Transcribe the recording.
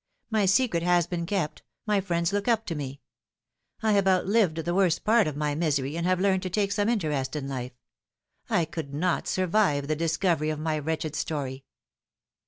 My secret has been kept my friends look up to me. 1 have outlived the worst part of my misery, and have learnt to take some interest in life. I could not survive the discovery of my wretched story."